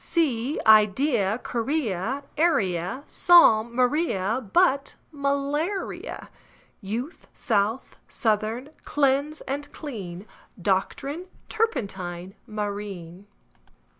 Sea, idea, guinea, area, Psalm; Maria, but malaria; Youth, south, southern; cleanse and clean; Doctrine, turpentine, marine.